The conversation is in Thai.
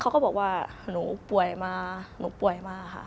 เขาก็บอกว่าหนูป่วยมาก